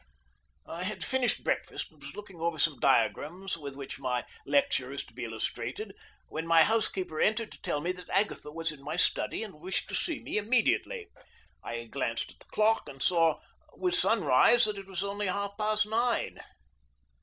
I had finished breakfast, and was looking over some diagrams with which my lecture is to be illustrated, when my housekeeper entered to tell me that Agatha was in my study and wished to see me immediately. I glanced at the clock and saw with sun rise that it was only half past nine.